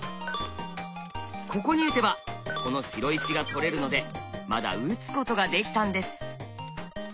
ここに打てばこの白石が取れるのでまだ打つことができたんです。